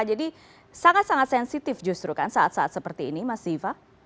jadi sangat sangat sensitif justru kan saat saat seperti ini mas ziva